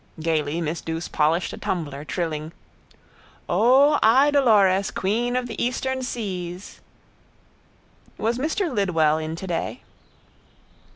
Gaily miss Douce polished a tumbler, trilling: —O, Idolores, queen of the eastern seas! —Was Mr Lidwell in today?